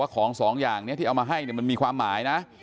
ของสองอย่างนี้ที่เอามาให้มันมีความหมายนะ